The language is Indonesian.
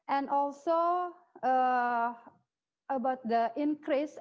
ekspor yang meningkat